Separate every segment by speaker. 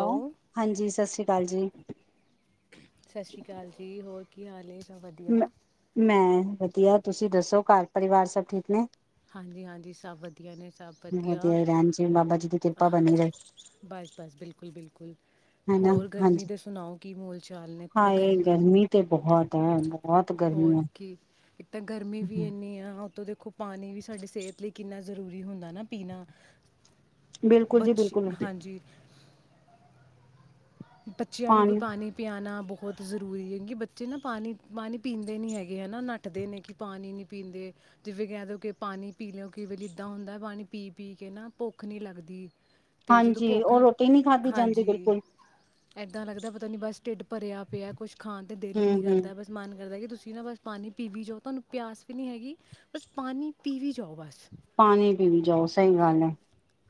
Speaker 1: Hello ਹਾਂਜੀ ਸਤਿ ਸ੍ਰੀ ਅਕਾਲ ਜੀ
Speaker 2: ਸਤਿ ਸ੍ਰੀ ਅਕਾਲ ਜੀ ਹੋਰ ਕੀ ਹਾਲ ਹੈ ਸਭ
Speaker 1: ਮ
Speaker 2: ਵਧੀਆ
Speaker 1: ਮੈਂ ਤੁਸੀਂ ਦੱਸੋ ਘਰ ਪਰਿਵਾਰ ਸਭ ਠੀਕ ਨੇ
Speaker 2: ਹਾਂਜੀ-ਹਾਂਜੀ ਸਭ ਵਧੀਆ ਨੇ। ਬਸ ਵਧੀਆ,
Speaker 1: ਹੀ ਰਹਿਣ ਜੀ ਬਾਬਾ ਜੀ ਦੀ ਕਿਰਪਾ ਬਣੀ ਰਹੇ
Speaker 2: ਬਸ-ਬਸ ਬਿਲਕੁਲ-ਬਿਲਕੁਲ
Speaker 1: ਹਨਾ
Speaker 2: ਹੋਰ ਗਰਮੀ
Speaker 1: ਹਾਂਜੀ
Speaker 2: ਦੇ ਸੁਣਾਓ ਕੀ ਮੋਲ ਚਾਲ ਨੇ ਇੱਥੇ ਤਾਂ
Speaker 1: ਹਾਏ
Speaker 2: ਗਰਮੀ,
Speaker 1: ਤੇ ਬਹੁਤ ਹੈ ਬਹੁਤ ਗਰਮੀ
Speaker 2: ਹੋਰ ਕੀ ਇੱਕ ਤਾਂ ਗਰਮੀ ਵੀ
Speaker 1: ਹੈ
Speaker 2: ਇੰਨੀ ਆ ਉਤੋਂ ਦੇ ਵੇਖੋ ਪਾਣੀ ਵੀ ਸਾਡੀ ਸਿਹਤ ਲਈ ਕਿੰਨਾ ਜ਼ਰੂਰੀ ਹੁੰਦਾ ਨਾ ਪੀਣਾ
Speaker 1: ਬਿਲਕੁਲ ਜੀ
Speaker 2: ਬੱਚੇ
Speaker 1: ਬਿਲਕੁਲ।
Speaker 2: ਹਾਂਜੀ ਬੱਚਿਆਂ ਨੂੰ ਵੀ ਪਾਣੀ ਪਿਆਣਾ ਬਹੁਤ ਬਹੁਤ ਜ਼ਰੂਰੀ ਹੈ ਕਿਉਂਕਿ ਬੱਚੇ ਨਾ ਪਾਣੀ ਪਾਣੀ ਪੀਂਦੇ ਨਹੀਂ ਹੈਗੇ ਹੈ ਨਾ ਨੱਠਦੇ ਨੇ ਕਿ ਪਾਣੀ ਨਹੀਂ ਪੀਂਦੇ, ਜਿਵੇਂ ਕਹਿ ਦਿਉ ਕਿ ਪਾਣੀ ਪੀ ਲਿਓ ਕਈ ਵਾਰੀ ਇੱਦਾਂ ਹੁੰਦਾ ਪਾਣੀ ਪੀ-ਪੀ ਕੇ ਨਾ ਭੁੱਖ ਨਹੀਂ ਲੱਗਦੀ। ਅਤੇ ਜਦੋਂ
Speaker 1: ਹਾਂਜੀ ਉਹ ਰੋਟੀ ਨਹੀਂ ਖਾਧੀ ਜਾਂਦੀ ਬਿਲਕੁਲ।
Speaker 2: ਏਦਾਂ ਲੱਗਦਾ ਪਤਾ ਨੀ ਬਸ ਢਿੱਡ ਭਰਿਆ ਪਿਆ ਕੁਛ ਖਾਣ ਤੇ ਦਿਲ ਈ
Speaker 1: ਹੂੰ
Speaker 2: ਨੀ
Speaker 1: ਹੂੰ
Speaker 2: ਕਰਦਾ ਬਸ ਮਨ ਕਰਦਾ ਕਿ ਤੁਸੀਂ ਤੁਸੀਂ ਨਾ ਬਸ ਪਾਣੀ ਪੀ ਵੀ ਜਾਓ ਤੁਹਾਨੂੰ ਪਿਆਸ ਵੀ ਨਹੀਂ ਹੈਗੀ, ਬਸ ਪਾਣੀ ਪੀ ਵੀ ਜਾਓ ਬਸ।
Speaker 1: ਪਾਣੀ ਪੀਈ ਜਾਓ ਸਹੀ ਗੱਲ ਹੈ।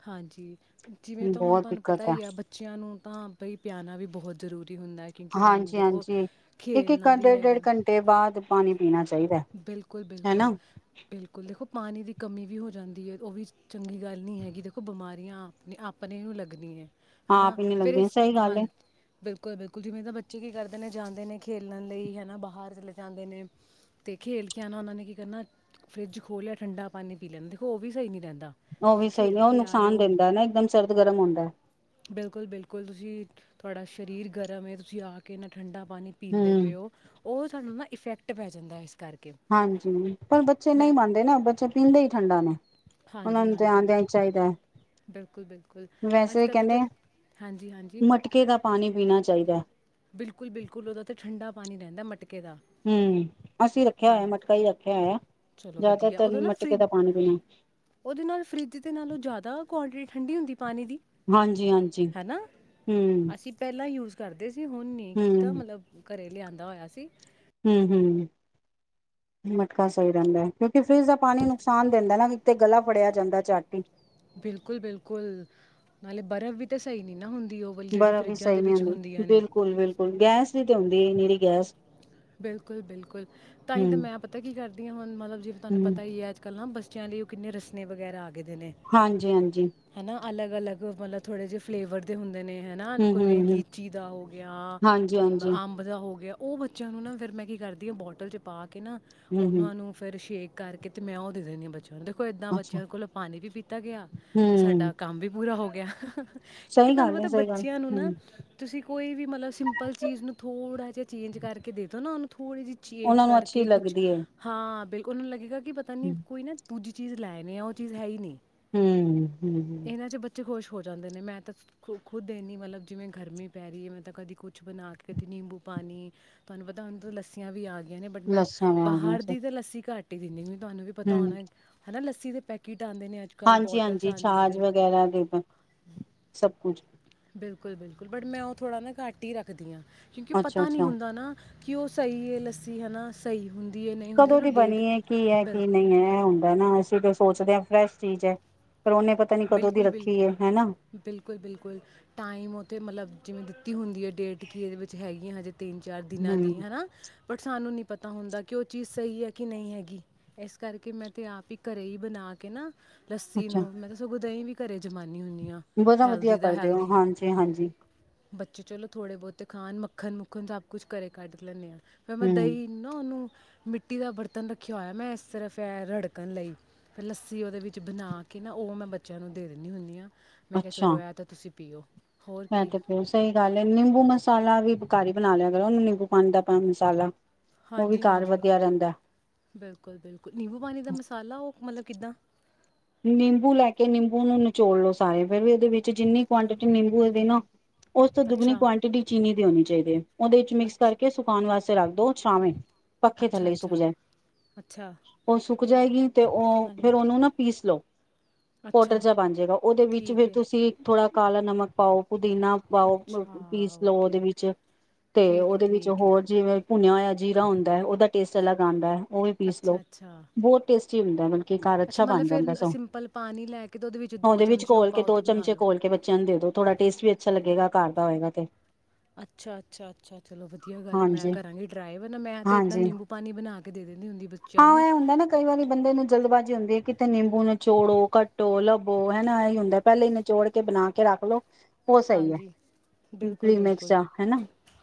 Speaker 2: ਹਾਂਜੀ ਜਿਵੇਂ ਤਾਂ ਹੁਣ
Speaker 1: ਬਹੁਤ
Speaker 2: ਤੁਹਾਨੂੰ ਪਤਾ
Speaker 1: ਦਿੱਕਤ ਹੈ
Speaker 2: ਹੀ ਆ ਬੱਚਿਆਂ ਨੂੰ ਤਾਂ ਬਈ ਪਿਆਣਾ ਵੀ ਬਹੁਤ ਜ਼ਰੂਰੀ ਹੁੰਦਾ ਹੈ ਕਿਉਂਕਿ ਉਹਨਾਂ ਨੇ
Speaker 1: ਹਾਂਜੀ
Speaker 2: ਦੇਖੋ
Speaker 1: ਹਾਂਜੀ ਇੱਕ ਇੱਕ
Speaker 2: ਖੇਲਣਾ ਵੀ
Speaker 1: ਡੇਢ ਡੇਢ
Speaker 2: ਹੈਗਾ।
Speaker 1: ਘੰਟੇ ਬਾਅਦ ਪਾਣੀ ਪੀਣਾ ਚਾਹੀਦਾ ਹਨਾ
Speaker 2: ਬਿਲਕੁਲ-ਬਿਲਕੁਲ, ਬਿਲਕੁਲ ਦੇਖੋ ਪਾਣੀ ਦੀ ਕਮੀ ਵੀ ਹੋ ਜਾਂਦੀ ਹੈ ਉਹ ਵੀ ਚੰਗੀ ਗੱਲ ਨਹੀਂ ਹੈਗੀ ਉਹ ਬਿਮਾਰੀਆਂ ਆਪਣੇ ਨੂੰ ਲੱਗਦੀਆਂ। ਹਨਾ
Speaker 1: ਆਪ ਹੀ ਨੀ
Speaker 2: ਫਿਰ
Speaker 1: ਲੱਗਦੇ
Speaker 2: ਇਸ
Speaker 1: ਸਹੀ ਗੱਲ ਹੈ
Speaker 2: ਹਾਂਜੀ ਬਿਲਕੁਲ-ਬਿਲਕੁਲ ਜਿਵੇਂ ਦਾ ਬੱਚਾ ਬੱਚੇ ਕੀ ਕਰਦੇ ਨੇ ਜਾਂਦੇ ਨੇ ਖੇਲਣ ਲਈ ਹੈ ਨਾ ਬਾਹਰ ਚਲੇ ਜਾਂਦੇ ਨੇ, ਤੇ ਖੇਲ ਕੇ ਆਣਾ ਉਹਨਾਂ ਨੇ ਕੀ ਕਰਨਾ ਫਰਿੱਜ ਖੋਲ ਲਿਆ ਠੰਡਾ ਪਾਣੀ ਪੀ ਲੈਂਦੇ ਦੇਖੋ ਉਹ ਵੀ ਸਹੀ ਨਹੀਂ ਰਹਿੰਦਾ। [unintelligible]
Speaker 1: ਉਹ ਵੀ
Speaker 2: ਤੁਸੀਂ
Speaker 1: ਸਹੀ ਨੇ
Speaker 2: ਖੇਲ
Speaker 1: ਉਹ
Speaker 2: ਕੇ ਆ ਰਹੇ
Speaker 1: ਨੁਕਸਾਨ
Speaker 2: ਹੋ
Speaker 1: ਦਿੰਦਾ ਨਾ ਇੱਕਦਮ ਸਰਦ-ਗਰਮ ਹੁੰਦਾ।
Speaker 2: ਬਿਲਕੁਲ ਬਿਲਕੁਲ ਤੁਸੀਂ ਤੁਹਾਡਾ ਸਰੀਰ ਗਰਮ ਏ ਤੁਸੀਂ ਆ ਕੇ ਇੰਨਾ ਠੰਡਾ ਪਾਣੀ ਪੀਂਦੇ
Speaker 1: ਹੂੰ।
Speaker 2: ਪਏ ਓ ਉਹ ਸਾਨੂੰ ਨਾ ਇਫੈਕਟ ਪੈ ਜਾਂਦਾ ਇਸ ਕਰ
Speaker 1: ਹਾਂਜੀ ਪਰ ਬੱਚੇ ਨਹੀਂ ਮੰਨਦੇ ਨਾ ਬੱਚੇ ਪੀਂਦੇ ਹੀ ਠੰਡਾ ਨੇ। ਉਹਨਾ
Speaker 2: ਹਾਂਜੀ
Speaker 1: ਨੂੰ ਤੇ
Speaker 2: ਹਾਂਜੀ
Speaker 1: ਆਂਦਿਆਂ ਹੀ ਚਾਹੀਦਾ ਐ।
Speaker 2: ਬਿਲਕੁਲ ਬਿਲਕੁਲ ਅੱਜ
Speaker 1: ਵੈਸੇ
Speaker 2: ਕੱਲ੍ਹ ਤਾਂ
Speaker 1: ਕਹਿੰਨੇ ਆ,
Speaker 2: ਚਲ ਹਾਂਜੀ ਹਾਂਜੀ
Speaker 1: ਮਟਕੇ ਦਾ ਪਾਣੀ ਪੀਣਾ ਚਾਹੀਦਾ।
Speaker 2: ਬਿਲਕੁਲ-ਬਿਲਕੁਲ ਉਹਦਾ ਤੇ ਠੰਡਾ ਪਾਣੀ ਰਹਿੰਦਾ ਮਟ ਕੇ ਦਾ।
Speaker 1: ਹੂੰ। ਅਸੀਂ ਰੱਖਿਆ
Speaker 2: ਹਾਂ,
Speaker 1: ਹੋਇਆ ਮਟਕਾ ਹੀ ਰੱਖਿਆ ਹੋਇਆ
Speaker 2: ਚਲੋ ਵਧੀਆ
Speaker 1: ਜ਼ਿਆਦਾਤਰ
Speaker 2: ਉਹਦੇ ਨਾ ਫਰਿ
Speaker 1: ਮਟਕੇ ਦਾ ਪਾਣੀ ਪੀਣਾ
Speaker 2: ਉਹਦੇ ਨਾਲ ਫਰਿਜ ਦੇ ਨਾਲੋਂ ਜ਼ਿਆਦਾ ਕੁਆਂਟਿਟੀ ਠੰਢੀ ਹੁੰਦੀ ਪਾਣੀ ਦੀ,
Speaker 1: ਹਾਂਜੀ ਹਾਂਜੀ
Speaker 2: ਹੈਨਾ,
Speaker 1: ਹੂੰ
Speaker 2: ਅਸੀਂ ਪਹਿਲਾਂ ਯੂਜ ਕਰਦੇ ਸੀ ਹੁਣ ਨੀ ਕੀਤਾ
Speaker 1: ਹੂੰ
Speaker 2: ਮਤਲਬ ਘਰੇ ਲਿਆਂਦਾ ਹੋਇਆ ਸੀ।
Speaker 1: ਹੂੰ ਹੂੰ। ਮਟਕਾ ਸਹੀ ਰਹਿੰਦਾ। ਕੀ ਫਰਿਜ ਦਾ ਪਾਣੀ ਨੁਕਸਾਨ ਦਿੰਦਾ ਨਾ ਵੀ ਤੇ ਗਲਾ ਫੜਿਆ ਜਾਂਦਾ ਚਾਟੀ
Speaker 2: ਬਿਲਕੁਲ-ਬਿਲਕੁਲ ਨਾਲੇ ਬਰਫ਼ ਵੀ ਤਾਂ ਸਹੀ ਨੀ ਨਾ ਹੁੰਣ
Speaker 1: ਬਰਫ਼ ਵੀ ਸਹੀ ਨਹੀਂ ਹੁੰਦੀ ਬਿਲਕੁਲ ਬਿਲਕੁਲ ਗੈਸ ਦੀ ਹੁੰਦੀ ਏ ਨਿਰੀ ਗੈਸ
Speaker 2: ਬਿਲਕੁਲ-ਬਿਲਕੁਲ। ਤਾਂਹੀ ਤਾਂ
Speaker 1: ਹੂੰ।
Speaker 2: ਮੈਂ ਪਤਾ ਕੀ ਕਰਦੀ ਹਾਂ ਹੁਣ ਮਤਲਬ ਜਿਵੇਂ ਤੁਹਾਨੂੰ
Speaker 1: ਹੂੰ
Speaker 2: ਪਤਾ ਹੀ ਹੈ ਅੱਜ-ਕੱਲ੍ਹ ਨਾ ਬੱਸ ਬਚਾਇਆ ਲਈ ਉਹ ਕਿੰਨੇ ਰਸਨੇ ਵਗੈਰਾ ਆ ਗਏ
Speaker 1: ਹਾਂਜੀ-ਹਾਂਜੀ।
Speaker 2: ਅਲਗ-ਅਲੱਗ ਮਤਲਬ ਥੋੜ੍ਹੇ ਜਿਹੇ ਫਲੇਵਰ ਦੇ ਹੁੰਦੇ ਨੇ। ਹਨਾ ਕੋਈਵੇਂ
Speaker 1: ਹੂੰ-ਹੂੰ-ਹੂੰ,
Speaker 2: ਲੀਚੀ ਦਾ ਹੋ ਗਿਆ,
Speaker 1: ਹਾਂਜੀ-ਹਾਂਜੀ,
Speaker 2: ਅੰਬ ਦਾ ਹੋ ਗਿਆ। [unintelligible] ਬਚਾਇਆ ਨੂੰ ਨਾ ਫਿਰ ਮੈਂ ਕੀ ਕਰਦੀ ਹਾਂ ਬੋਟਲ 'ਚ ਪਾ ਕੇ ਨਾ
Speaker 1: ਹੂੰ-ਹੂੰ,
Speaker 2: ਉਹਨਾਂ ਨੂੰ ਫੇਿਰ ਸ਼ੇਕ ਕਰਕੇ ਤੇ ਮੈਂ ਉਹ ਦੇ ਦਿੰਦੀ ਹਾਂ ਬੱਚੇ ਦੇਖੋ ਏਦਾਂ
Speaker 1: ਅੱਛਾ
Speaker 2: ਬੱਚਿਆਂ ਕੋਲ ਪਾਣੀ ਵੀ ਪੀਤਾ ਗਿਆ ਤੇ ਸਾਡਾ
Speaker 1: ਹੂੰ,
Speaker 2: ਕੰਮ ਵੀ ਪੂਰਾ ਹੋ ਗਿਆ। ਗਿਆ। ਕਿਉਂਕਿ
Speaker 1: ਸਹੀ
Speaker 2: ਤੁਹਾਨੂੰ
Speaker 1: ਗੱਲ ਏ
Speaker 2: ਪਤਾ
Speaker 1: ਸਹੀ ਗੱਲ
Speaker 2: ਬੱਚਿਆਂ ਨੂੰ
Speaker 1: ਹੂੰ,
Speaker 2: ਨਾ ਤੁਸੀਂ ਕੋਈ ਵੀ ਮਤਲਬ ਸਿੰਪਲ ਚੀਜ਼ ਨੂੰ ਥੋੜਾ ਜਿਹਾ ਚੇਂਜ ਕਰਕੇ ਦੇਦੋ ਨਾ ਉਹਨੂੰ ਥੋੜ੍ਹੀ ਜਿਹੀ ਚੇਂਜ
Speaker 1: ਉਹਨਾਂ ਨੂੰ ਅੱਛੀ
Speaker 2: ਕਰਕੇ ਕੁਛ
Speaker 1: ਲੱਗਦੀ ਏ।
Speaker 2: ਹਾਂ ਬਿਲ ਉਹਨੂੰ ਲੱਗੇਗਾ ਪਤਾ ਨੀ ਕੋਈ ਨਾ ਦੂਜੀ ਚੀਜ਼ ਲੈਣੀ ਆ ਉਹ ਚੀਜ਼ ਹੈ ਹੀ ਨਹੀਂ
Speaker 1: ਹਮ ਹਮ ਹ
Speaker 2: ਇਹਨਾਂ 'ਚ ਬੱਚੇ ਹੋ ਖੁਸ਼ ਜਾਂਦੇ ਨੇ ਮੈਂ ਤਾਂੁ ਖੁਦ ਇਨੀ ਮਤਲਬ ਜਿਵੇਂ ਗਰਮੀ ਪੈ ਰਹੀ ਹੈ ਮੈਂ ਤਾਂ ਕਦੀ ਕੁਛ ਬਣਾ ਕੇ ਕਦੀ ਨਿੰਬੂ ਪਾਣੀ ਤੁਹਾਨੂੰ ਪਤਾ ਉਹਨੂੰ ਪ ਲੱਸੀਆਂ ਵੀ ਆ ਜਾਆਂ ਨੇ ਬਟ ਮੈਂ
Speaker 1: ਲੱਸਾਂ ਆ
Speaker 2: ਬਾਹਰ
Speaker 1: ਗਈਆਂ
Speaker 2: ਦੀ ਤਾਂ ਲੱਸੀ ਘੱਟ ੇ ਦੀ ਤੁਹਾਨੂੰ ਵੀ ਪਤਾ ਹੋਣਾ ਹਨਾ ਦੇ ਪੈਕਿਟ
Speaker 1: ਹਾਂਜੀ ਹਾਂਜੀ ਛਾਜ ਵਗੈਰਾ ਦੇ ਸਭ ਕੁਝ
Speaker 2: ਬਿਲਕੁਲ ਬਿਲਕੁਲ ਬਟੈਂ ਥੋੜ੍ਹਾ ਨਾ ਘਟ ਹੀ ਰੱਖਦੀਾਂ ਕਿਉਂਕਿ ਪਤਾ ਨਹੀਂੀ
Speaker 1: ਅੱਛਾ-ਅੱਛਾ,
Speaker 2: ਹੁੰਦਾ ਨਾ ਕਿ ਉਹ ਸਹੀ ਹੈ ਲੱਸੀ ਹਨਾ ਸਹੀ ਹੁੰਦੀ ਹੈ ਨਹੀਂ ਹੁੰਦੀ
Speaker 1: ਕਦੋਂ
Speaker 2: ਚਲੋ
Speaker 1: ਦੀ
Speaker 2: ਡੇਟ
Speaker 1: ਬਣੀਏ ਕੀ ਹੈ
Speaker 2: ਬਿਲ
Speaker 1: ਕੀ ਨਹੀਂ ਹੈ ਇਹ ਹੁੰਦਾ ਨਾ ਅਸੀਂ ਸੋਚਦੇ ਹ ਫਰੈਸ਼ ਚੀਜ਼ ਪਰ ਉਹਨੇ ਪਤਾ ਨੀ ਕਦੋਂ ਦੀ
Speaker 2: ਬਿਲਕੁਲ
Speaker 1: ਰੱਖੀ ਏ ਹਨਾ ਹੂੰ,
Speaker 2: ਬਿਲੁ ਬਿਲਕੁਲ ਬਿਲਕੁਲ ਟਾਈਮ ਉਹਤੇ ਮਤਲਬ ਜਿਵੇਂ ਦਿੱਤੀ ਹੁੰਦੀ ਹੈ ਡੇਟ ਕਿ ਇਹਦੇ ਵਿੱਚ ਹੈਗੀ ਆ ਹਜੇ ਤਿੰਨ ਚਾਰ ਦਿਨਾਂ ਦੀ ਹਨਾ ਬ ਸਾਨੂੰ ਨੀ ਪਤਾ ਤਾਂ ਹੁੰਦਾ ਕਿ ਉਹ ਚੀਜ਼ ਸਹੀ ਹੈ ਕਿ ਨਹੀਂ ਹੈਗੀ ਇਸ ਕਰਕੇ ਮੈਂ ਤੇ ਆਪ ਹੀ ਘਰੇ ਹੀ ਬਣਾ ਕੇ ਨਾ ਲੱਸੀ ਨੂੰ ਮੈਂਨੂੰ ਉਹ ਦਹੀਂ ਵੀ ਘਰੈ
Speaker 1: ਬਹੁਤਾ ਵਧੀਆ ਕਰਦੇ ਹੋ ਹਾਂਜੀ ਹਾਂਜੀ
Speaker 2: ਬੱਚੇ ਚਲੋ ਥੋੜ੍ਹੇ ਬਹੁਤੇ ਖਾਣ ਮੱਖਣ ਮੁੱਖਣ ਸਭ ਕੁਛ ਘਰੇ ਕੱਢ ਲੈਂਦੇ ਹਾਂ ਫਿਰ ਮੈ
Speaker 1: ਹੂੰ,
Speaker 2: ਦਹੀਂ ਨਾ ਉਹਨ ਮਿੱਟੀ ਦਾ ਬਰਤਨ ਰੱਖਿਆ ਹੋਇਆ ਮੈਂ ਇਸ ਤਰਫ ਇਹ ਰੜਕਣ ਲਈ ਫ ਲੱਸੀ ਉਹਦੇ ਵਿੱਚ ਬਣਾ ਕੇ ਨਾ ਉਹ ਮੈਂ ਬੱਚਿਆਂ ਨੂੰ ਦੇ ਦਿੰਦੀ ਹੁੰਦੀ ਹਾਂ ਮੈਂ ਕਿਹਾ ਚਲੋ ਐ ਤਾਂ ਤੁਸੀਂ ਪੀਓ ਹੋਰ
Speaker 1: ਇਹ
Speaker 2: ਕੀ
Speaker 1: ਤੇ ਬਹੂਤ ਸਹੀ ਗੱਲ ਹੈ ਨਿੰਬੂ ਮਸਾਲਾ ਵੀ ਘਰ ਹੀ ਬਣਾ ਲਿਆ ਕਰੋ ਉਹਨੂੰ ਨਿੰਬੂ ਪਾਣੀ ਦਾ ਪਾ ਮਸਾਲਾ ਉਹ ਵੀ
Speaker 2: ਹਾਂਜੀ
Speaker 1: ਘਰ
Speaker 2: ਹਾਂਜੀ
Speaker 1: ਵਧੀਆ ਰਹਿੰਦਾ
Speaker 2: ਬਿਲਕੁਲ ਬਿਲਕੁਲ ਨਿੰਬੂ ਪਾਣੀ ਦਾ ਮਸਾਲਾ ਉਹ ਮਤਲਬ ਕਿੱਦਾਂ
Speaker 1: ਨਿੰਬੂ ਲੈ ਕੇ ਨਿੰਬੂ ਨੂੰ ਨਚੋੜ ਲਓ ਸਾਰੇ ਫਿਰਰ ਵੀ ਉਹਦੇ ਵਿੱਚ ਜਿੰਨੀ ਕੁਆਂਟਿਟੀ ਨਿੰਬੂ ਇਹਦੇ ਨਾ ਉਸ ਤੋਂ ਦੁਗਣੀ
Speaker 2: ਅੱਛਾ
Speaker 1: ਕੁਆਂਟਿਟੀ ਚੀਨੀ ਦੀ ਹੋਣੀ ਚਾਹੀਦੀ ਹੈ ਉਹਦੇ ਵਿੱਚ ਮਿਕਸ
Speaker 2: ਅੱਛ
Speaker 1: ਕਰਕੇ ਸੁਕਾਣ ਵਾਸਤੇ ਰੱਖ ਦੋ ਛਾਵੇ ਪੱਖੇ
Speaker 2: ਅੱਛਾ
Speaker 1: ਥੱਲੇ ਸੁੱਕ
Speaker 2: ਅੱਛਾ
Speaker 1: ਜਾਏ
Speaker 2: ਅੱਛਾ
Speaker 1: ਉਹ ਸੁ ਕੁ ਜਾਏਗੀ ਤੇ ਉਹ
Speaker 2: ਹਾਂਜੀ
Speaker 1: ਫੇਰ ਉਹਨੂੰ ਨਾ ਪੀਸ ਲਓ ਪਾੋਡਰ
Speaker 2: ਅੱਛਾ
Speaker 1: ਜ ਬਣ ਜਾੇਗਾ ਉਹਦੇ ਵਿੱਚ
Speaker 2: ਠੀਕ
Speaker 1: ਫੇਿਰ
Speaker 2: ਹੈ
Speaker 1: ਤੁਸੀਂ ਥੋੜ੍ਹਾ ਕਾਲਾ ਨਮਕ ਪਾਉ। ਪੁਦੀਨਾ ਪਾਓ
Speaker 2: ਅੱਛਾ
Speaker 1: ਪ-ਪੀਸ ਲਓ
Speaker 2: ਓਕੇ
Speaker 1: ਉਹਦੇ ਵਿੱਚ ਤੇ
Speaker 2: ਠੀਕ ਹੈ
Speaker 1: ਉਹਦੇ ਵਿੱਚ
Speaker 2: ਠੀਕ ਹੈ
Speaker 1: ਹੋਰ ਜਿਵੇਂ ਭੁਣਿਆ ਹੋਇਆ ਜੀਰਾ ਹੁੰਦਾ ਹੈ ਉਹ ਦਾ ਟੇਸਟ ਅਲੱਗ ਆਉਂਦਾ ਹੈ ਉਹ ਵੀ ਪੀਸ ਲੋਓ
Speaker 2: ਅੱਛਾ ਅੱਛਾ
Speaker 1: ਬਹੁਤ ਟੇਸਟ ਹੀ ਹੁੰਦਾ ਮਤਲਬ
Speaker 2: ਅੱਛਾ
Speaker 1: ਅ
Speaker 2: ਮਤਲਬ
Speaker 1: ਬਣ
Speaker 2: ਫਿਰ
Speaker 1: ਜਾਂਦਾ ਸੋ
Speaker 2: ਸਿੰਪਲ ਪਾਣੀ ਲੈ ਕੇ ਤੇ
Speaker 1: ਉਹਦੇ ਵਿੱਚ
Speaker 2: ਚਮਚੇ ਉਹ
Speaker 1: ਘੋਲ ਕੇ
Speaker 2: ਪਾਓ ਤੇ
Speaker 1: ਦੋ
Speaker 2: ਬਣਾ
Speaker 1: ਚਮਚੇ
Speaker 2: ਲਓ।
Speaker 1: ਘੋਲ ਕੇ ਬੱਚਿਆਂ ਨੂੰ ਦੇ ਦੋ ਥੋੜਾ ਟੇਸਟ ਵੀ ਅੱਛਾ ਲੱਗੇਗਾ ਕਰ ਦਾ ਹੋਏਗਾ ਤੇ
Speaker 2: ਅੱਛਾ ਅੱਛਾ ਅੱਛਾ ਚਲੋ ਵਧੀਆ ਗੱਲ ਹੈ ਮੈਂ
Speaker 1: ਹਾਂਜੀ
Speaker 2: ਕਰਾਂਗੀ ਟਰਾਏ ਵ ਨਾ ਮੈਂ ਤੇ ਇੱਦਾਂ
Speaker 1: ਹਾਂਜੀ
Speaker 2: ਨਿੰਬੂ ਪਾਣੀ ਬਣਾ ਕੇ ਦੇ ਦਿੰਦੀ ਹੁੰਦੀ ਬੱਚਿਆਂ
Speaker 1: ਹਾਂ
Speaker 2: ਨੂੰ।
Speaker 1: ਇਹ ਤੇ ਨਿੰਬੂ ਨਚੋੜੋ ਕੱਟੋ ਲੱਭੋ ਹਨਾ ਇਹੀ ਹੁੰਦਾ ਪਹਿਲੇ ਹੀ ਨਚੋੜ ਕੇ ਬਣਾ ਕੇ ਰੱਖ ਲੋੋ।
Speaker 2: ਹਾਂਜੀ ਬਿਲਕੁਲ ਬਿਲਕੁਲ
Speaker 1: ਜਾਂ ਹਨਾ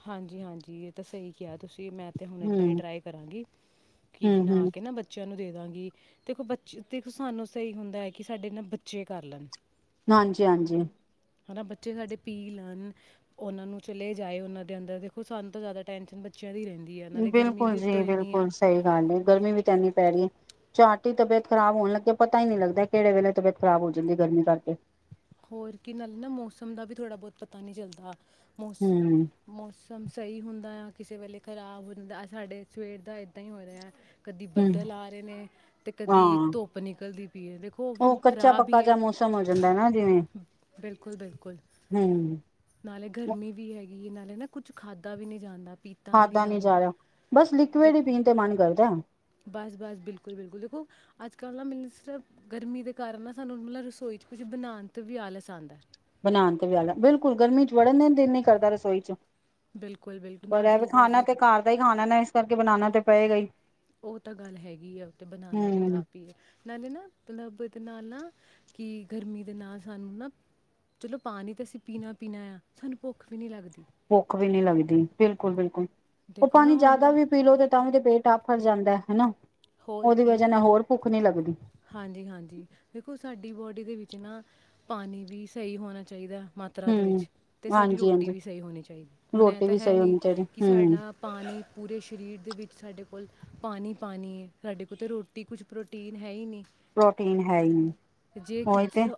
Speaker 2: ਹਾਂਜੀ ਹਾਂਜੀ ਇਹ ਤਾਂ ਸਹੀ ਕਿਹਾ ਤੁਸੀਂ। ਅਤੇ ਮੈਂ ਤਾਂ ਹੁਣ ਇੱਦਾਂ ਹੀ
Speaker 1: ਹਮ
Speaker 2: ਟਰਾਈ ਕਰਾਂਗੀ। ਕੀ
Speaker 1: ਹਮ
Speaker 2: ਬਣਾ
Speaker 1: ਹਮ
Speaker 2: ਕੇ ਨਾ ਬੱਚਿਆਂ ਨੂੰ ਦੇ ਦਾਗੀ ਦੇਖੋ ਬਚੇ ਦੇਖੋ ਸਾਨੂੰ ਸਹੀ ਹੁੰਦਾ ਹੈ ਕਿ ਸਾਡੇ ਨਾ ਬੱਚੇ ਕਰ ਲੈਣ।
Speaker 1: ਹਾਂਜੀ ਹਾਂਜੀ
Speaker 2: ਹਨਾ ਬੱਚੇ ਸਾਡੇ ਪੀ ਲੈਣ। ਉਹਨਾਂ ਨੂੰ ਚਲੇ ਜਾਏ ਉਹਨਾਂ ਦੇ ਅੰਦਰ ਦੇਖੋ ਸਾਨੂੰ ਤੋਂ ਜ਼ਿਆਦਾ ਟੈਨਸ਼ਨ ਬਚੇ
Speaker 1: ਬਿਲਕੁਲ ਜੀ ਬਿਲਕੁਲ ਸਹੀ ਗੱਲ ਨਹੀਂ ਗਰਮੀ ਵੀ ਤਾਂ ਇੰਨੀ ਪੈ ਰਹੀ ਹੈ। ਝਟ ਹੀ ਤਬੀਅਤ ਖਰਾਬ ਹੋਣ ਲੱਗੇ ਪਤਾ ਹੀ ਨਹੀਂ ਲੱਗਦਾ ਕਿਹੜੇ ਵੇਲੇ ਤਬੀਅਤ ਖਰਾਬ ਹੋ ਜਾਂਦੀ ਗਰਮੀ ਕਰਕੇ।
Speaker 2: ਹੋਰ ਕੀ ਨਾਲ ਨਾ ਮੌਸਮ ਦਾ ਵੀ ਥੋੜ੍ਹਾ ਬਹੁਤ ਪਤਾ ਨੀ ਚੱਲਦਾ। ਮੌਸ
Speaker 1: ਹੂੰ
Speaker 2: ਮੌਸਮ ਸਹੀ ਹੁੰਦਾ ਆ ਕਿਸੇ ਵੇਲੇ ਖ਼ਰਾਬ ਹੁੰਦਾ ਸਾਡੇ ਸਵੇਰ ਦਾ ਇੱਦਾਂ ਹੀ ਹੋ ਰਿਹਾ। ਕਦੀ
Speaker 1: ਹੂੰ
Speaker 2: ਬੱਦਲ ਆ ਰਹੇ ਨੇ ਅਤੇ ਕਦੀ
Speaker 1: ਹਾਂ
Speaker 2: ਧੁੱਪ ਨਿਕਲਦੀ ਪਈ ਹੈ। ਦੇਖੋ ਉਹ
Speaker 1: ਕੱਚਾ
Speaker 2: ਖਰਾਬ
Speaker 1: ਪੱਕਾ
Speaker 2: ਹੀ ਹੈ।
Speaker 1: ਜਿਹਾ ਮੌਸਮ ਹੋ ਜਾਂਦਾ ਨਾ ਜਿਵੇਂ
Speaker 2: ਬਿਲਕੁਲ ਬਿਲਕੁਲ
Speaker 1: ਹੂੰ
Speaker 2: ਨਾਲੇ ਗਰਮੀ ਵੀ ਹੈਗੀ। ਇਹ ਨਾਲੇ ਨਾ ਕੁੱਛ ਖਾਧਾ ਵੀ ਨਹੀਂ ਜਾਂਦਾ। ਪੀਤਾ ਵੀ ਨਹੀਂ
Speaker 1: ਖਾਦਾਂ ਨੀ ਜਾ
Speaker 2: ਜਾਂਦਾ
Speaker 1: ਰਿਹਾ ਬਸ
Speaker 2: ਦੇ
Speaker 1: ਲਿਕੁਿਡ ਹੀ ਪੀਣ ਤੇ ਮਨ ਕਰਦਾ।
Speaker 2: ਬਸ ਬਸ ਬਿਲਕੁਲ ਬਿਲਕੁਲ ਦੇਖੋ ਅੱਜ ਕੱਲ ਨਾ ਮਤਲ ਸ ਗਰਮੀ ਦੇ ਕਾਰਨ ਨਾ ਸਾਨੂੰ ਮਤਲਬ ਰਸੋਈ ਚ ਕੁਝ ਬਣਾਣ ਤੇ ਵੀ ਆਲਸ ਆਂਦਾ ਹੈ।
Speaker 1: ਬਣਾਣ ਤੇ ਵੀ ਆਦਾ ਬਿਲਕੁਲ ਗਰਮੀ ਚ ਵੜਨ ਦੇ ਦਿਨ ਹੀ ਕਰਦਾ ਰਸੋਈ ਚ
Speaker 2: ਬਿਲਕੁਲ ਬਿਲਕੁਲ
Speaker 1: ਪਰ
Speaker 2: ਨਾ
Speaker 1: ਇਹ ਵੀ
Speaker 2: ਦਿਲ
Speaker 1: ਖਾਣਾ
Speaker 2: ਕਰਦਾ
Speaker 1: ਤੇ
Speaker 2: ਕਿ
Speaker 1: ਘਰ ਦਾ ਹੀ ਖਾਣਾ ਨਾ ਕਰਕੇ ਬਣਾਣਾ ਤੇ ਪਏਗਾ ਹੀ।
Speaker 2: ਉਹ ਤਾਂ ਗੱਲ ਹੈਗੀ ਆ ਓ ਬਣਾਣਾ ਵੀ
Speaker 1: ਹੂੰ।
Speaker 2: ਆਪ ਹੀ ਹੈ ਨਾੇ ਨਾ ਮਤਲਬ ਤੇ ਨਾਲ ਨਾ ਕਿ ਗਰਮੀ ਦੇ ਨਾਲ ਸਾਨੂੰ ਨਾ ਚਲੋ ਪਾਣੀ ਤਾਂ ਅਸੀਂ ਪੀਣਾ ਪੀਣਾ ਆ ਸਾਨੂੰ ਭੁੱਖ ਵੀ ਨੀ ਲੱਗਦੀ।
Speaker 1: ਭੁੱਖ ਵੀ ਨਹੀਂ ਲੱਗਦੀ ਬਿਲਕੁਲ ਬਿਲਕੁਲ ਉਹ
Speaker 2: ਦੇਖੋ ਨਾ
Speaker 1: ਪਾਣੀ
Speaker 2: ਹੁਣ
Speaker 1: ਜ਼ਿਆਦਾ ਵੀ ਪੀ ਲੋੋ ਤੇ ਤਾਂ ਵੀ ਤੇ ਪੇਟ ਆਪ ਆਫਰ ਜਾਂਦਾ ਹਨਾ।
Speaker 2: ਹੋਰ
Speaker 1: ਉਹਦੀ
Speaker 2: ਕੀ
Speaker 1: ਵਜ੍ਹਾ ਨਾਲ ਹੋਰ ਭੁੱਖ ਨਹੀਂ ਲੱਗਦੀ
Speaker 2: ਹਾਂਜੀ ਹਾਂਜੀ ਦੇਖੋ ਸਾਡੀ ਬੋਡੀ ਦੇ ਵਿੱਚ ਨਾ ਪਾਣੀ ਵੀ ਸਹੀ ਹੋਣਾ ਚਾਹੀਦਾ। ਮਾਤਰਾ ਦੇ
Speaker 1: ਹੂੰ
Speaker 2: ਵਿੱਚ ਤੇ ਸਾਡੀ
Speaker 1: ਹਾਂਜੀ
Speaker 2: ਰੋਟੀ
Speaker 1: ਹਾਂਜੀ
Speaker 2: ਵੀ ਸਹੀ ਹੋਣੀ ਚਾਹੀਦੀ ਹੁਣ ਐਂ
Speaker 1: ਰੋਟੀ
Speaker 2: ਤਾਂ
Speaker 1: ਵੀ
Speaker 2: ਹੈ
Speaker 1: ਸਹੀ
Speaker 2: ਨਹੀਂ
Speaker 1: ਹੋਣੀ ਚਾਹੀਦੀ
Speaker 2: ਕਿ
Speaker 1: ਹੂੰ
Speaker 2: ਸਾਡਾ ਪਾਣੀ ਪੂਰੇ ਸਰੀਰ ਦੇ ਵਿੱਚ ਸਾਡੇ ਕੋਲ ਪਾਣੀ ਪਾਣੀ ਸਾਡੇ ਕੋਲ ਤਾਂ ਰੋਟੀ ਕੁਛ ਪ੍ਰੋਟੀਨ ਹੈ ਹੀ ਨਹੀਂ
Speaker 1: ਪ੍ਰੋਟੀਨ ਹੈ ਹੀ ਨਹੀਂ
Speaker 2: ਜੇ
Speaker 1: ਓ
Speaker 2: ਕਿ
Speaker 1: ਹੀ ਤੇ।
Speaker 2: ਜ-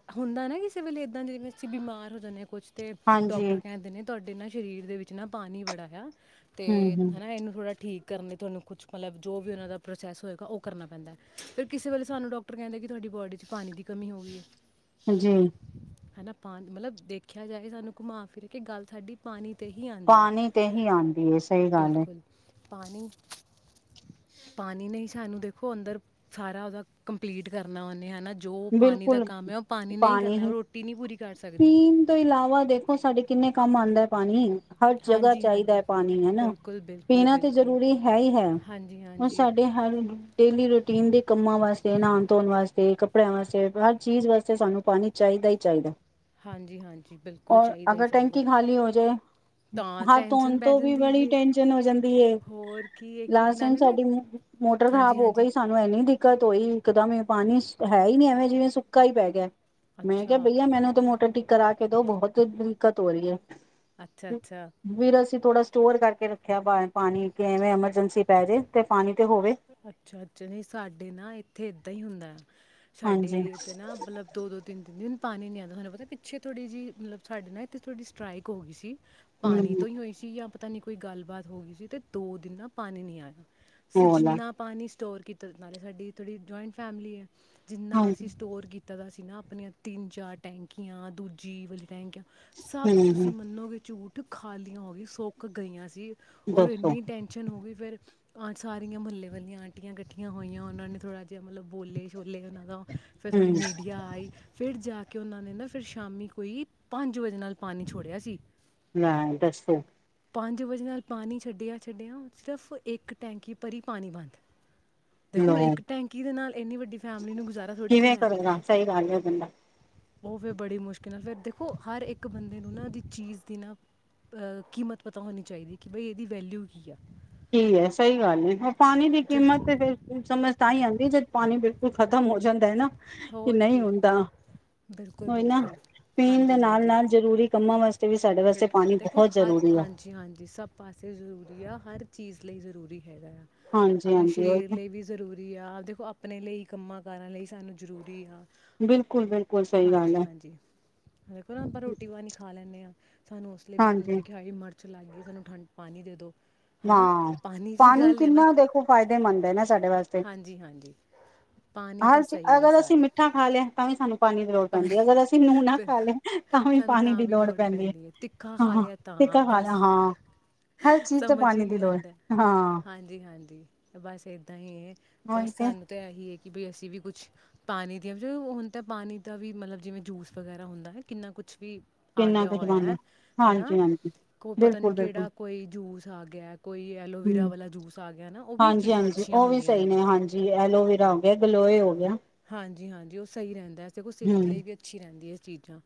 Speaker 2: [unintelligible] ਵੇਲੇ ਇਦਾ ਦੇ ਜਿਵੇਂ ਅੱਸੀ ਬਿਮਾਰ ਹੋ ਜਾਂਦੇ ਹ ਕੁਛ। ਅਤੇ
Speaker 1: ਹਾਂਜੀ
Speaker 2: ਡਾਕਟਰ ਕਹਿੰਦੇ ਨੇ ਤੁਹਾਡੇ ਨਾ ਸਰੀਰ ਦੇ ਵਿੱਚ ਨਾ ਪਾਣੀ ਬੜਾ ਆ। ਤੇ
Speaker 1: ਹੂੰ ਹੂੰ
Speaker 2: ਹਨਾ ਇਹਨੂੰ ਥੋੜ੍ਹਾ ਠੀਕ ਕਰਨੀ ਤੁਹਾਨੂੰ ਕੁਛ ਮਤਲਬ ਜੋ ਵੀ ਉਹਨਾਂ ਦਾ ਸੈਸ ਹੋਏਗਾ ਉਹ ਕਰਨਾ ਪੈਂਦਾ, ਫਿਰ ਕਿਸੇ ਵੇਲੇ ਸਾਨੂੰ ਡਾਕਟਰ ਕਹਿੰਦੇ ਕਿ ਤੁਹਾਡੀ ਬੋਡੀ ਚ ਪਾਣੀ ਦੀ ਕਮੀ ਹੋ ਗਈ ਹੈ।
Speaker 1: ਹੰਜੀ
Speaker 2: ਪਾ ਮਤਲਬ ਦੇਖਿਆ ਜਾਏ ਸਾਨੂੰ ਘੁੰਮਾ ਫਿਰ ਕੇ ਗੱਲ ਸਾਡੀ ਪਾਣੀ ਤੇ ਹੀ ਆਂਦੀ ਹੈ
Speaker 1: ਪਾਣੀ ਤੇ ਹੀ ਆਂਦੀ ਏ ਸਹੀ ਗੱਲ ਏ।
Speaker 2: ਬਿਲਕੁਲ ਪਾਣੀ ਪਾਣੀ ਨੇ ਸਾਨੂੰ ਦੇਖੋ ਅੰਦਰ ਸਾਰਾ ਉਹਦਾ ਕੰਪਲੀਟ ਕਰਨਾ ਉਹੁੰਨੇ ਹੈਨਾ।
Speaker 1: ਬਿਲਕੁਲ ਪਾਣੀ ਹੀ,
Speaker 2: ਉਹ ਰੋਟੀ ਨਹੀਂ ਪੂਰੀ ਕਰ ਸਕਦੀ
Speaker 1: ਪੀਣ ਤੋਂ ਇਲਾਵਾ ਦੇਖੋ ਸਾਡੇ ਕਿੰਨੇ ਕੰਮ ਆਂਦਾ ਹੈ ਪਾਣੀ। ਹਰ ਜਗ੍ਹਾ
Speaker 2: ਹਾਂਜੀ
Speaker 1: ਚਾਹੀਦਾ
Speaker 2: ਹਾਂਜੀ
Speaker 1: ਹੈ ਪਾਣੀ ਹਨਾ,
Speaker 2: ਬਿਲਕੁਲ ਬਿਲਕੁਲ
Speaker 1: ਪੀਣਾ ਤੇ
Speaker 2: ਬਿਲਕੁਲ
Speaker 1: ਜ਼ਰੂਰੀ ਹੈ ਹੀ ਹੈ
Speaker 2: ਹਾਂਜੀ
Speaker 1: ਹੁਣ
Speaker 2: ਹਾਂਜੀ
Speaker 1: ਸਾਡੇ ਹਰ ਡੇਲੀ ਰੂਟੀਨ ਦੇ ਕੰਮਾਂ ਵਾਸਤੇ, ਨਹਾਉਣ ਧੋਣ ਵਾਸਤੇ ਕੱਪੜਿਆਂ ਵਾਸਤੇ ਹਰ ਚੀਜ਼ ਵਾਸਤੇ ਸਾਨੂੰ ਪਾਣੀ ਚਾਹੀਦੈ ਹੀ ਚਾਹੀਦੈ।
Speaker 2: ਹਾਂਜੀ ਹਾਂਜੀ ਬਿਲਕੁਲ
Speaker 1: ਔਰ
Speaker 2: ਚਾਹੀਦਾ ਹੀ
Speaker 1: ਅਗਰ
Speaker 2: ਚਾਹੀਦਾ
Speaker 1: ਟੈਂਕੀ
Speaker 2: ਹੈ।
Speaker 1: ਖਾਲੀ ਹੋ ਜਾਏ,
Speaker 2: ਤਾਂ
Speaker 1: ਹੱਥ ਧੋਣ
Speaker 2: ਟੈਨਸ਼ਨ ਪੈ
Speaker 1: ਤੋਂ ਵੀ
Speaker 2: ਜਾਂਦੀ
Speaker 1: ਬੜੀ
Speaker 2: ਸੀ
Speaker 1: ਟੈਂਨਸ਼ਨ ਹੋ ਜਾਂਦੀ ਏ,
Speaker 2: ਹੋਰ ਕੀ ਇੱਕ ਇੱਕ
Speaker 1: ਲਾਸਟ ਟਾਈਮ
Speaker 2: ਨਾਲੇ ਨਾ
Speaker 1: ਸਾਡੀ ਮੋ-ਮੋਟਰ ਖ਼ਰਾਬ
Speaker 2: ਹਾਂਜੀ
Speaker 1: ਹੋ
Speaker 2: ਹਾਂਜੀ
Speaker 1: ਗਈ ਸਾਨੂੰ ਇਨੀ ਦਿੱਖ ਦਿੱਕਤ ਹੋਈ ਇਕਦਮ ਇਹ ਪਾਣੀ ਹੈ ਹੀ ਨਹੀਂ ਐਵੇਂ ਜਿਵੇਂ ਸੁੱਕਾ ਹੀ ਪੈ ਗਿਆ। ਮੈਂ ਕਿਹਾ
Speaker 2: ਅੱਛਾ
Speaker 1: ਬਈਆ ਮੈਨੂੰ ਤੇ ਮੋਟਰ ਟਿੱ ਕਰਾ ਕੇ ਦੋ ਬਹੁਤ ਦਿ-ਦਿੱਕਤ ਹੋ ਰਹੀ ਹੈ।
Speaker 2: ਅੱਛਾ ਅੱਛਾ
Speaker 1: ਵੀਰ ਅਸੀ ਥੋੜਾ ਸਟੋਰ ਕਰਕੇ ਰੱਖਿਆ ਪਾ-ਪਾਣੀ ਕਿ ਐਵੇਂ ਐਮਰਜੈਂਸੀ ਪੈ ਜੇ ਤੇ ਪਾਣੀ ਤੇ ਹੋਵੇ।
Speaker 2: ਅੱਛਾ-ਅੱਛਾ ਨਹੀਂ ਸਾਡੇ ਨਾ ਇੱਥੇ ਏਦਾਂ ਹੀ ਹੁੰਦਾ ਹੈ। ਸਾਡੇ
Speaker 1: ਹਾਂਜੀ
Speaker 2: ਵੀ ਏਥੇ ਤੇ ਨਾ ਮਤਲਬ ਦੋ-ਦੋ ਤਿੰਨ-ਤਿੰਨ ਦਿਨ ਪਾਣੀ ਨੀ ਆਂਦਾ ਤੁਹਾਨੂੰ ਪਤਾ ਪਿੱਚੇ ਥੋੜ੍ਹੀ ਜਿ ਮਤਲਬ ਸਾਡੇ ਨਾ ਇਥੇ ਥੋੜੀ ਸਟਾਈਕ ਹੋ ਗਈ ਸੀ ਪਾਣੀ
Speaker 1: ਹੂੰ
Speaker 2: ਤੋਂ ਹੀ ਹੋਈ ਸੀ ਜਾਂ ਪਤਾਂ ਨਹੀਂ ਕੋਈ ਗੱਲਬਾਤ ਹੋ ਗਈ ਸੀ ਤੇ ਦੋ ਦਿਨ ਨਾ ਪਾਣੀ ਨਹੀਂ ਆਇਆ। ਅਸੀਂ
Speaker 1: ਹੂ
Speaker 2: ਜਿੰਨਾ ਪਾਣੀ ਸਟੋਰ [unintelligible] ਨਾਲੇ ਸਾਡੀ ਥੋੜ੍ਹੀ ਜੁਆਇੰਟ ਫੈਮਿਲੀ ਹੈ। ਜਿੰਨਾ ਅਸੀਂ
Speaker 1: ਹਾਂਜੀ
Speaker 2: ਸਟੋਰ ਕੀਤਾ ਕੀਤਾ ਦਾ ਸੀਂ ਨਾ ਆਪਣੀਆਂ ਤਿੰਨ ਚਾਰ ਟੈਂਕੀਆਂ ਦੂਜੀ ਵ [unintelligible] ਸਭ
Speaker 1: ਹੂੰ
Speaker 2: ਤੁਸੀਂ
Speaker 1: ਹੂੰ
Speaker 2: ਮੰਨੋਗੇ ਝੂਠ ਖਾਲੀਆਂ ਹੋ ਗਈ ਸੁੋੱਕ ਗਈਆਂ ਸੀ ਜ ਔਰ
Speaker 1: ਦੱਸੋ
Speaker 2: ਇੰਨੀ ਟੈਂਸ਼ਨ ਹੋ ਗਈ ਫਿਰ ਅ ਸ ਮਹੱਲੇ ਵੱਲੀਆਂ ਆਂਟੀਆਂ ਇਕੱਠੀਆਂ ਹੋਈਆਂ ਉਹਨਾਂ ਨੇ ਥੋੜ੍ਹਾ ਜਿਹਾ ਮਤਲਬੋਲੇ ਸ਼ੋਲੇ ਉਹਨਾਂ ਦਾ ਫਿਰਥੋੜੀ
Speaker 1: ਹੂੰ
Speaker 2: ਮੀਡੀਆ ਆਈ ਫਿਰ ਜਾ ਕੇ ਕਿ ਉਹਨਾਂ ਨੇ ਨਾ ਫਿਰ ਸ਼ਾਮੀ ਕੋਈ ਪੰਜ ਵਜੇ ਨਾਲ ਪਾਣੀ ਛੋੜਿਆ ਸੀ
Speaker 1: ਲੇ ਦੱਸੋ
Speaker 2: ਪੰਜ ਵਜੇ ਨਾਲ ਪਾਣੀ ਛੱਡਿਆ ਛੱਡਿਆ ਸਿਰਫ਼ ਇੱਕ ਟੈਂਕੀ ਭਰੀ ਪਾਣੀ ਬੰਦ
Speaker 1: ਲੋ
Speaker 2: ਦੇਖੋੁਣ ਇੱਕ ਟੈਂਕੀ ਦੇ ਨਾਲ ਇੰਨੀ ਵੱਡੀ ਫੈਮਲੀ ਨੂੰ ਗੁਜ਼ਾਰਾ ਥੋੜ੍ਹੀ
Speaker 1: ਕਿਵੇਂ
Speaker 2: ਹੁੰਦਾ ਹੈ
Speaker 1: ਕਰੇਗਾ ਸਹੀ ਗੱਲ ਹੈ ਬੰਦਾ
Speaker 2: ਉਹ ਫਿਰ ਬੜੀ ਮੁਸ਼ਕਿਲ ਨਾਲ ਫੇਿਰ ਦੇਖੋ ਹਰ ਇੱਕ ਬੰਦੇ ਨੂੰ ਦੀ ਚੀਜ਼ ਦੀ ਨਾ ਅਹ ਕੀਮਤ ਪਤਾ ਹੋਣੀ ਚਾਹੀਦੀ ਕਿ ਭ ਇਹਦੀ ਵੈਲਿਊ ਕੀ ਆ
Speaker 1: ਕੀ ਹੈ ਸਹੀ ਗੱਲ ਹੈ ਉਹ ਪਾਣੀ ਦੀ
Speaker 2: ਜ
Speaker 1: ਕੀਮਤ ਫਿਰ ਸਮਝ ਤਾਂ ਹੀ ਆਉਂਦੀ ਜਦ ਪਾਣੀ ਬਿਲਕੁਲ ਖਤਮ ਹੋ ਜਾਂਦਾ ਹੈ ਨਾ ਕਿ
Speaker 2: ਹੋਰ
Speaker 1: ਨਹੀਂ
Speaker 2: ਕੀ
Speaker 1: ਹੁੰਦਾ
Speaker 2: ਬਿਲਕੁਲ
Speaker 1: ਹੋ ਨਾ
Speaker 2: ਬਿਲਕੁਲ
Speaker 1: ਪੀਣ ਦੇ
Speaker 2: ਹਾਂਜੀ
Speaker 1: ਨਾਲ
Speaker 2: ਹਾਂਜੀ
Speaker 1: ਨਾਲ ਜ਼ਰੂਰੀ ਕੰਮਾਂ ਵਾਸਤੇ ਵੀ ਸਾਡੇ ਵਾਸਤੇ
Speaker 2: ਬਿਲਕੁਲ
Speaker 1: ਪਾਣੀ
Speaker 2: ਦੇਖੋ
Speaker 1: ਬਹੁਤ
Speaker 2: ਹਰ
Speaker 1: ਜ਼ਰੂਰੀ ਹੈ
Speaker 2: ਹਾਂਜੀ ਹਾਂਜੀ ਸਭ ਪਾਸੇ ਜ਼ਰੂਰੀ ਆ ਹਰ ਚੀਜ਼ ਲਈ ਜ਼ਰੂਰੀ ਹੈਗਾ ਆ
Speaker 1: ਹਾਂਜੀ
Speaker 2: ਆਪਣੇ
Speaker 1: ਹਾਂਜੀ
Speaker 2: ਸਰੀਰ
Speaker 1: ਉਹ
Speaker 2: ਲਈ ਵੀ ਜ਼ਰੂਰੀ ਰੀ ਆ ਦੇਖੋ ਆਪਣੇ ਲਈ ਕੰਮਾਂ ਕਾਰਾਂ ਲਈ ਸਾਨੂੰ ਜ਼ਰੂਰੀ ਆ
Speaker 1: ਬਿਲਕੁਲ ਬਿਲਕੁਲ ਸਹੀ ਗੱਲ
Speaker 2: ਹਾਂਜੀ
Speaker 1: ਹੈ
Speaker 2: ਹਾਂਜੀ ਦੇਖੋ ਨਾ ਆਪਾਂ ਰੋਟੀ ਪਾਣੀੀ ਖਾ ਲੈਂਦੇ ਹਾਂ ਸਾਨੂੰ ਉਸ ਲਈ ਵੀ ਹੁੰਦਾ
Speaker 1: ਹਾਂਜੀ
Speaker 2: ਹੈ ਮਿਰਚ ਲੱਗ ਗਈ ਸਾਨੂੰ ਠੰਡ ਪਾਣੀ ਦੇ ਦਿਉ ਹੈ ਨਾ
Speaker 1: ਵਾਂ
Speaker 2: ਦੀ
Speaker 1: ਪਾਣੀ
Speaker 2: ਗੱਲ ਹੈ ਨਾ
Speaker 1: ਕਿੰਨਾ ਦੇਖੋ ਫਾਇਦੇਮੰਦ ਹੈ ਨਾ ਸਾਡੇ ਵਾਸਤੇ
Speaker 2: ਹਾਂਜੀ ਹਾਂਜੀ ਪਾਣੀ ਤਾਂ
Speaker 1: ਹਰ ਚ
Speaker 2: ਸਹੀ ਹੈ
Speaker 1: ਅਗਰ ਅਸੀਂ
Speaker 2: ਸਾਰਾ
Speaker 1: ਮਿੱਠਾ ਖਾ ਲਿਆ ਤਾਂ ਵੀ ਸਾਨੂੰ ਪਾਣੀ ਦੀ ਲੋੜ
Speaker 2: ਪਾਣੀ
Speaker 1: ਪੈਂਦੀ ਹੈ ਅਗਰ ਅਸੀਂ ਨੂੰਹ ਨਾ ਖਾ
Speaker 2: ਬਿਲਕੁਲ
Speaker 1: ਲਏ ਤਾਂ ਵੀ
Speaker 2: ਸਾਨੂੰ
Speaker 1: ਪਾਣੀ
Speaker 2: ਤਾਂ
Speaker 1: ਦੀ
Speaker 2: ਵੀ
Speaker 1: ਲੋੜ ਪੈਂਦੀ ਹੈ
Speaker 2: ਤਿੱਖਾ ਖਾ
Speaker 1: ਹਾਂ
Speaker 2: ਲਿਆ ਤਾਂ
Speaker 1: ਤਿੱਖਾ ਖਾ ਲੈ
Speaker 2: ਬਸ
Speaker 1: ਹਾਂ ਹਰ ਚੀਜ਼
Speaker 2: ਸਮਝ ਹੀ
Speaker 1: ਦੀ
Speaker 2: ਨਹੀਂ
Speaker 1: ਲੋ
Speaker 2: ਆਉਂਦਾ
Speaker 1: ਹਾਂ
Speaker 2: ਹਾਂਜੀ ਹਾਂਜੀ ਬਸ ਏਦਾਂ ਹੀ
Speaker 1: ਉਹੀ
Speaker 2: ਬਸ
Speaker 1: ਤੇ
Speaker 2: ਸਾਨੂੰ ਤਾਂ ਇਹੀ ਹੈ ਕਿ ਬਈ ਅਸੀਂ ਵੀ ਕੁਛ ਪਾਣੀ ਦੀਆਂ ਹੁਣ ਤਾਂ ਪਾਣੀ ਤਾਂ ਵੀ ਮਤਲਬ ਜਿਵੇਂ ਜੂਸ ਵਗੈਰਾ ਹੁੰਦਾ ਹੈ ਕਿੰਨਾ ਕੁਛ ਵੀ ਆ
Speaker 1: ਕਿੰਨਾ
Speaker 2: ਗਿਆ
Speaker 1: ਕੁ
Speaker 2: ਹੋਇਆ
Speaker 1: ਜ਼ਮਾਨਾ
Speaker 2: ਹੈ ਹਨਾ
Speaker 1: ਹਾਂਜੀ ਹਾਂਜੀ
Speaker 2: ਕੋਈ ਪਤਾ ਨੀ
Speaker 1: ਬਿਲਕੁਲ ਬਿਲਕੁਲ
Speaker 2: ਕਿਹੜਾ ਕੋਈ ਜੂਸ ਸਾਗ ਗਿਆ ਕੋਈ ਐਲੋਵੀਰਾ
Speaker 1: ਹਮ
Speaker 2: ਵਾਲਾ ਜੂਸ ਆ ਗਿਆ ਨਾ ਉਹ ਵੀ
Speaker 1: ਹਾਂਜੀ
Speaker 2: ਚੀਜ਼ਾਂ
Speaker 1: ਹਾਂਜੀ
Speaker 2: ਅੱਛੀਆਂ
Speaker 1: ਉਹ ਵੀ
Speaker 2: ਹੁੰਦੀਆਂ
Speaker 1: ਸਹੀ ਨੇ ਹਾਂਜੀ ਐਲੋਵੇਰਾ ਹੋ ਗਿਆ ਗਲੋਏ ਹੋ ਗਿਆ
Speaker 2: ਜੀ ਹਾਂਜੀ ਉਹ ਸਹੀ ਰਹਿੰਦਾ ਦੇਖੋ ਸਿਹਤ
Speaker 1: ਹਮ
Speaker 2: ਲਈ ਵੀ ਅੱਛੀ ਰਹਿੰਦੀ ਹੈ ਚੀਜ਼ਾਂ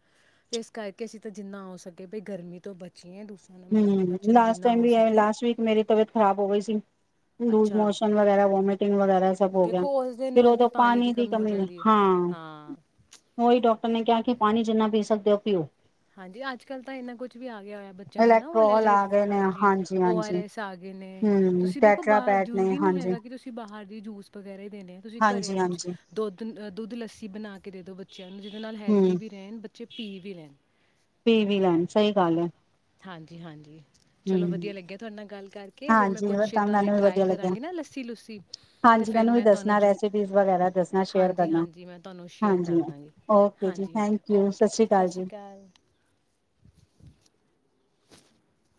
Speaker 2: ਤੇ ਇਸ ਕਰਕੇ ਅਸੀਂ ਤਾਂ ਜਿੰਨਾ ਹੋ ਸਕੇ ਵੀ ਗਰਮੀ ਤੋਂ ਬਚੀਏ ਨੰਬਰ ਆਪਣੇ
Speaker 1: ਹਮ
Speaker 2: ਬੱਚਿਆਂ ਨੂੰ
Speaker 1: ਲਾਸਟ
Speaker 2: ਜਿੰਨਾ
Speaker 1: ਟਾਈਮ
Speaker 2: ਹੋ
Speaker 1: ਵੀ ਆ
Speaker 2: ਸਕੇ
Speaker 1: ਲਾਸਟ ਵੀਕ ਮੇਰੀ ਤਬੀਅਤ ਖ਼ਰਾਬ ਹੋ ਗਈ ਸੀ ਲੂਜ
Speaker 2: ਅੱਛਾ
Speaker 1: ਮੋਸ਼ਨ ਵਗੈਰਾ ਵੋਮੀਟਿੰਗ ਵਗੈਰਾ ਸਭ ਹੋ ਗਿਆ
Speaker 2: ਦੇਖੋ ਉਸ ਦੇ
Speaker 1: ਫਿਰ
Speaker 2: ਨਾਲ ਵੀ
Speaker 1: ਉਦੋਂ ਪਾਣੀ ਦੀ
Speaker 2: ਹੋ
Speaker 1: ਕਮੀ ਨੇ
Speaker 2: ਜਾਂਦੀ ਹੈ
Speaker 1: ਹਾਂ ਉਹੀ ਡਾਕਟਰ ਨੇ ਕਿਹਾ ਕਿ ਪਾਣੀ ਜਿੰਨਾ ਪੀ ਸਕਦੇ ਹੋ ਪੀਓ
Speaker 2: ਹਾਂਜੀ ਅੱਜ ਕੱਲ ਤਾਂ ਇੰਨਾ ਕੁਝ ਵੀ ਆ ਗਿਆ ਹੋਇਆ ਬੱਚਿਆਂ ਨੂੰ ਹੈਾ
Speaker 1: ਇਲੈਕਟ੍ਰੋਲ
Speaker 2: ਉਹ
Speaker 1: ਆ ਗਏ ਨੇ
Speaker 2: ਹਾਂਜੀ ਓ ਆਰ
Speaker 1: ਹਾਂਜੀ
Speaker 2: ਐਸ ਆ ਗਏ ਨੇ
Speaker 1: ਹਮ
Speaker 2: ਤੁਸੀਂ ਦੇੇਖੋ
Speaker 1: ਟੈਟਰਾ
Speaker 2: ਬਾਹਰ
Speaker 1: ਪੈਟ ਨੇ
Speaker 2: ਜ਼ਰੂਰੀ ਨੀ
Speaker 1: ਹਾਂਜੀ
Speaker 2: ਹੈਗਾ ਕਿ ਤੁਸੀਂ ਬਾਹਰ ਜੂਸ ਵਗੈਰਾ ਦੇਣੇ ਤੁਸੀਂ ਘਰੇ
Speaker 1: ਹਾਂਜੀ
Speaker 2: ਕੁਛ
Speaker 1: ਹਾਂਜੀ
Speaker 2: ਦੁੱਧ ਅਹ ਦੁੱਧ ਲੱਸੀ ਬਣਾ ਕੇ ਦੇ ਦੋ ਬੱਚਿਆਂ ਨੂੰ ਜਿਹਦੇ ਨਾਲ ਹੈਲਦੀ
Speaker 1: ਹਮ
Speaker 2: ਵੀ ਰਹਿਣ ਚ ਪੀ ਵੀ ਲੈਂਦਾ।
Speaker 1: ਪੀ ਵੀ ਲੈਣ ਸਹੀ ਗੱਲ ਹੈ।
Speaker 2: ਹਾਂਜੀ- ਹਾਂਜੀ, ਚਲੋ
Speaker 1: ਹਮ
Speaker 2: ਵਧੀਆ ਲੱਗਿਆ ਤੁਹਾਡੇ ਨਾਲ ਗੱਲ ਕਰਕੇ ਅਗਰ ਮੈਂ
Speaker 1: ਹਾਂਜੀ
Speaker 2: ਕੁਛ
Speaker 1: ਤਾਂ
Speaker 2: ਏਦਾਂ ਦੀ
Speaker 1: ਮੈਨੂੰ ਵੀ
Speaker 2: ਟਰਾਈ
Speaker 1: ਵਧੀਆ ਲੱਗਿਆ
Speaker 2: ਕਰਾਂਗੀ ਨਾ ਲੱਸੀ ਲੁੱਸੀ ਤੇ
Speaker 1: ਹਾਂਜੀ
Speaker 2: ਫਿਰ
Speaker 1: ਮੈਨੂੰ ਵੀ
Speaker 2: ਮੈਂ ਤੁਹਾਨੂੰ
Speaker 1: ਦੱਸਣਾ
Speaker 2: ਜਰੂਰ
Speaker 1: ਰੈਸਿਪੀਜ਼ ਵਗੈਰਾ ਦੱਸਣਾ ਸ਼ੇਅਰ
Speaker 2: ਹਾਂਜੀ
Speaker 1: ਕਰਨਾ
Speaker 2: ਹਾਂਜੀ ਮੈਂ ਤੁਹਾਨੂੰ ਸ਼ੇਅਰ
Speaker 1: ਹਾਂਜੀ
Speaker 2: ਕਰਦਾਂਗੀ
Speaker 1: ਓਕੇ ਜੀ
Speaker 2: ਹਾਂਜੀ- ਹਾਂਜੀ
Speaker 1: ਥੈਂਕ ਯੂ
Speaker 2: ਓਕੇ ਸਤਿ
Speaker 1: ਅਕਾਲ
Speaker 2: ਸ਼੍ਰੀ
Speaker 1: ਜੀ
Speaker 2: ਅਕਾਲ। [unintelligible]